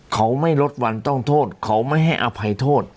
เขาไม่ลดวันต้องโทษเขาไม่ให้อภัยโทษ